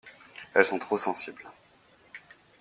Elles sont trop sensibles.